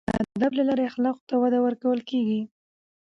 د ادب له لارې اخلاقو ته وده ورکول کیږي.